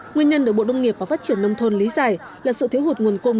nguyên nhân được bộ nông nghiệp và phát triển nông thôn lý giải là sự thiếu hụt nguồn cung